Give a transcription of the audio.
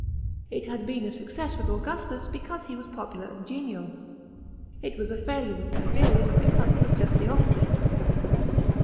It had been a success with Augustus, because he was popular and Menial. It was a failure with Tiberius because he n as just the opposite.